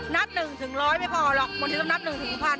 นับหนึ่งถึงร้อยไม่พอหรอกบางทีต้องนับหนึ่งถึงพัน